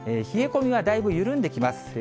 冷え込みはだいぶ緩んできます。